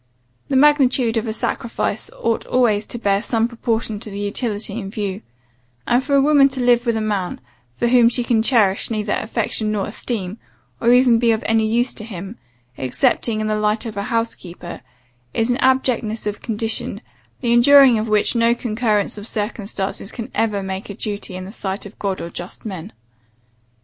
The magnitude of a sacrifice ought always to bear some proportion to the utility in view; and for a woman to live with a man, for whom she can cherish neither affection nor esteem, or even be of any use to him, excepting in the light of a house keeper, is an abjectness of condition, the enduring of which no concurrence of circumstances can ever make a duty in the sight of God or just men.